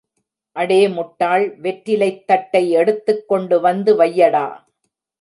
அடே முட்டாள் வெற்றிலைத் தட்டை எடுத்துக் கொண்டுவந்து வையடா!